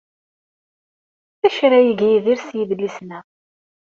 D acu ara yeg Yidir s yidlisen-a?